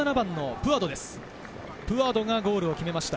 プアドがゴールを決めました。